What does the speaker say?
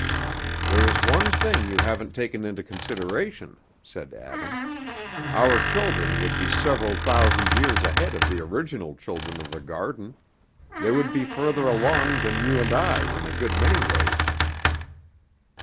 "There is one thing you haven't taken into consideration," said Adam. "Our children would be several thousand years ahead of the original children of the Garden; they would be further along than you and I in a good many ways."